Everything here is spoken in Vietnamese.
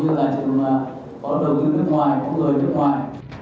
ví dụ như là trường có đầu tư nước ngoài có người nước ngoài